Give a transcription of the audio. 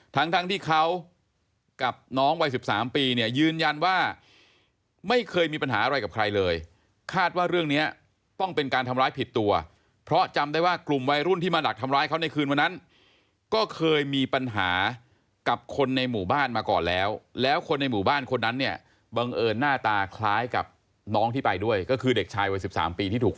ทั้งทั้งที่เขากับน้องวัย๑๓ปีเนี่ยยืนยันว่าไม่เคยมีปัญหาอะไรกับใครเลยคาดว่าเรื่องเนี้ยต้องเป็นการทำร้ายผิดตัวเพราะจำได้ว่ากลุ่มวัยรุ่นที่มาหลักทำร้ายเขาในคืนวันนั้นก็เคยมีปัญหากับคนในหมู่บ้านมาก่อนแล้วแล้วคนในหมู่บ้านคนนั้นเนี่ยบังเอิญหน้าตาคล้ายกับน้องที่ไปด้วยก็คือเด็กชายวัย๑๓ปีที่ถูก